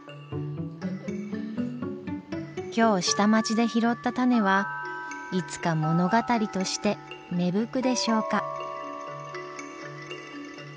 今日下町で拾った種はいつか物語として芽吹くでしょうか。